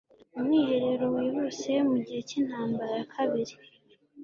mu mwiherero wihuse mu gihe cy'intambara ya kabiri